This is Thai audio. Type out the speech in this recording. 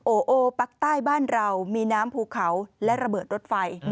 โอโอปักใต้บ้านเรามีน้ำภูเขาและระเบิดรถไฟ